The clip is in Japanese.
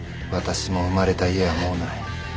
私も生まれた家はもうない。